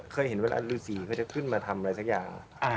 เคยเห็นเวลาฤษีเขาจะขึ้นมาทำอะไรสักอย่าง